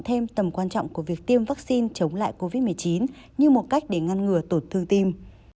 thêm tầm quan trọng của việc tiêm vaccine chống lại covid một mươi chín như một cách để ngăn ngừa tổn thương tim